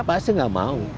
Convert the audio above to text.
pasti tidak mau